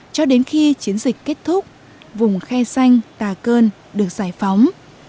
cho đến khi chiến dịch kết thúc vùng khe xanh tà cơn được giải phóng